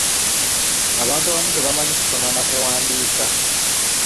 Abantu abamu tebamanyi kusoma na kuwandiika.